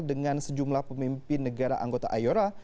dengan sejumlah pemimpin negara anggota iora